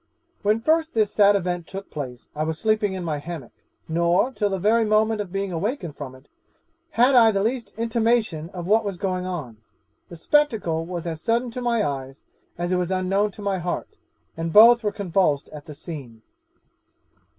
'When first this sad event took place I was sleeping in my hammock; nor, till the very moment of being awakened from it, had I the least intimation of what was going on. The spectacle was as sudden to my eyes, as it was unknown to my heart; and both were convulsed at the scene.